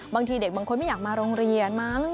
บางทีเด็กบางคนไม่อยากมาโรงเรียนมั้ง